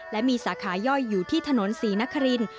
และมีสาขาย่อยอยู่ที่ถนนศรีนคริน